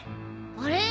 あれ？